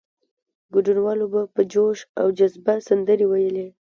ګډونوالو به په جوش او جذبه سندرې ویلې.